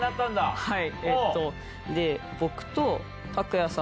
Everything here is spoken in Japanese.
はい。